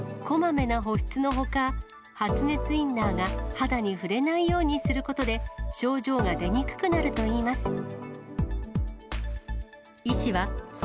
こまめな保湿のほか、発熱インナーが肌に触れないようにすることで、症状が出にくくなるといいます。